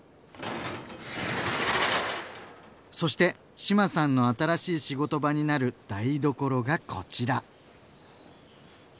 そして志麻さんの新しい仕事場になる台所がこちら。